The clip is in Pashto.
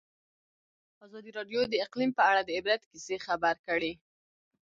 ازادي راډیو د اقلیم په اړه د عبرت کیسې خبر کړي.